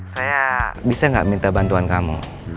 saya bisa nggak minta bantuan kamu